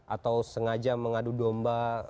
atau sengaja mengadu domba